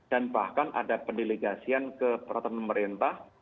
dan bahkan ada pendelegasian ke peraturan pemerintah